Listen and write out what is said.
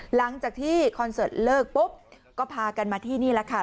หลังจากที่คอนเสิร์ตเลิกปุ๊บก็พากันมาที่นี่ละค่ะ